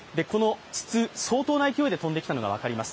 相当な勢いで飛んできたのが分かります。